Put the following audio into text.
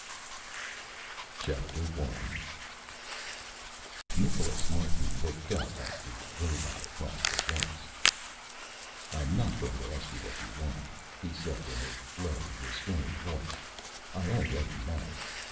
] I Nicholas Martin looked up at the robot across the desk. "I'm not going to ask what you want," he said, in a low, restrained voice. "I already know.